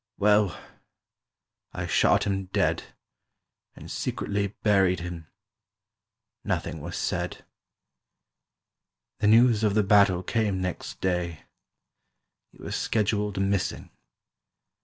Well, I shot him dead, And secretly buried him. Nothing was said. "The news of the battle came next day; He was scheduled missing.